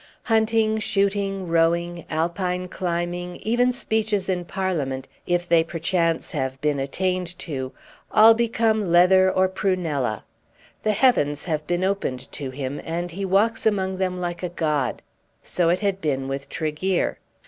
Hunting, shooting, rowing, Alpine climbing, even speeches in Parliament, if they perchance have been attained to, all become leather or prunella. The heavens have been opened to him, and he walks among them like a god. So it had been with Tregear.